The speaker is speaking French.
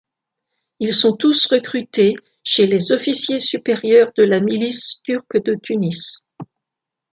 Ils sont tous recrutés chez les officiers supérieurs de la milice turque de Tunis.